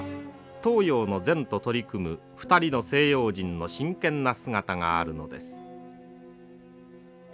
東洋の禅と取り組む２人の西洋人の真剣な姿があるのです。